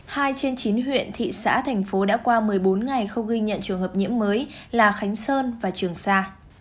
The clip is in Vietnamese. hai trên chín huyện thị xã thành phố đã qua một mươi bốn ngày không ghi nhận trường hợp nhiễm mới là khánh sơn và trường sa